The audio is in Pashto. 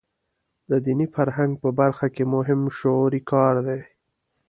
د دیني فرهنګ په برخه کې مهم شعوري کار دی.